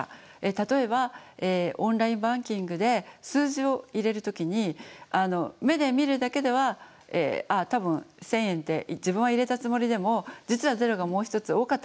例えばオンラインバンキングで数字を入れる時に目で見るだけでは多分１，０００円って自分は入れたつもりでも実は０がもう一つ多かったかもしれない。